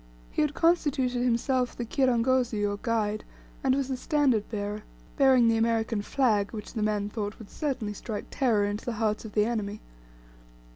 He had constituted himself the kirangozi or guide, and was the standard bearer, bearing the American flag, which the men thought would certainly strike terror into the hearts of the enemy.